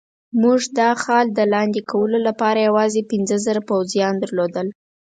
موږ د اخال د لاندې کولو لپاره یوازې پنځه زره پوځیان درلودل.